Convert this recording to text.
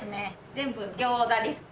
全部餃子です。